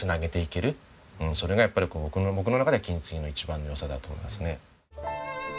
それがやっぱり僕の中で金継ぎの一番の良さだと思いますね。